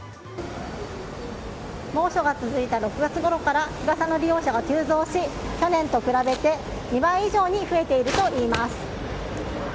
猛暑が続いた６月ごろから日傘の利用者が急増し去年と比べて２倍以上に増えているといいます。